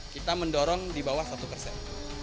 kita mendorong di bawah satu persen